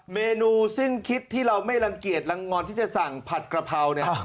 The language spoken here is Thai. เมนูสิ้นคิดที่เราไม่รังเกียจลังงอนที่จะสั่งผัดกระเพราเนี่ย